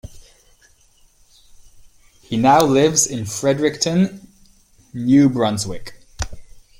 He now lives in Fredericton, New Brunswick.